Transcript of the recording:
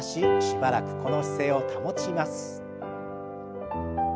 しばらくこの姿勢を保ちます。